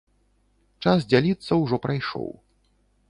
Час дзяліцца ўжо прайшоў.